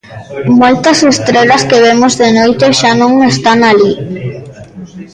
_... Moitas estrelas que vemos de noite xa non están alí.